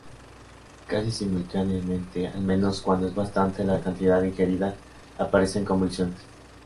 Casi simultáneamente al menos cuando es bastante la cantidad ingerida, aparecen convulsiones.